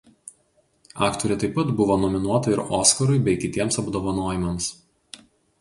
Aktorė taip pat buvo nominuota ir „Oskarui“ bei kitiems apdovanojimams.